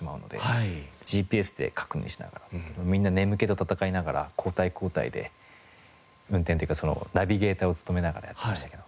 ＧＰＳで確認しながらみんな眠気と闘いながら交代交代で運転というかナビゲーターを務めながらやってましたけど。